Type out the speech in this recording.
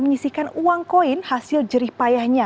menyisikan uang koin hasil jerih payahnya